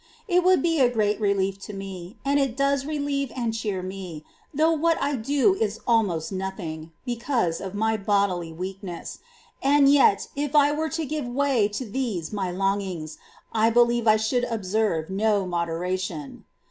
It would be a great relief to me, and it does relieve and cheer me, though what I do is almost nothing, because of my bodily weakness ; and yet, if I were to give way to these my longings, I believe I should observe no moderation.